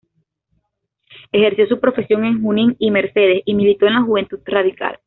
Ejerció su profesión en Junín y Mercedes y militó en la juventud radical.